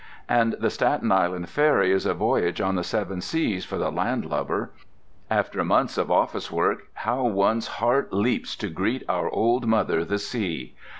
And the Staten Island ferry is a voyage on the Seven Seas for the landlubber, After months of office work, how one's heart leaps to greet our old mother the sea!